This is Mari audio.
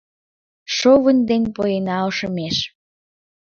Шовын деч поена ошемеш.